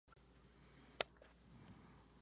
Daniel Mann nació en Brooklyn, Nueva York.